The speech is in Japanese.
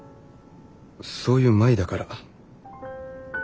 そういう舞だから。